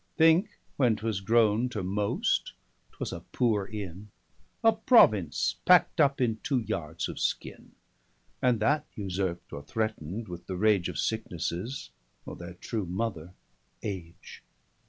Thinke, when'twas growne to most,'twas a poore Inne, 175 A Province pack'd up in two yards of skinne, And that usurp'd or threatned with the rage Of sicknesses, or their true mother, Age.